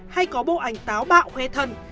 hay có bộ ảnh táo bạo huê thần